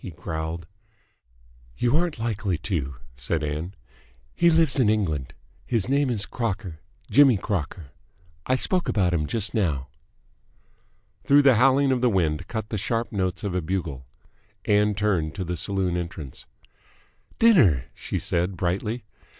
he growled. "You aren't likely to," said Ann. "He lives in England. His name is Crocker. Jimmy Crocker. I spoke about him just now." Through the howling of the wind cut the sharp notes of a bugle. Ann turned to the saloon entrance. "Dinner!" she said brightly.